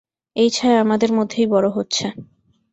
এই ছায়া আমাদের মধ্যেই বড় হচ্ছে।